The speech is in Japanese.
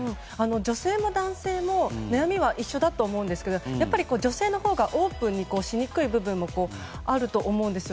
女性も男性も悩みは一緒だと思いますが女性のほうがオープンにしにくい部分もあると思うんです。